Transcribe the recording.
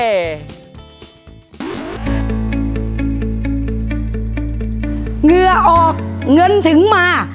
เหงื่อออกเงินถึงมา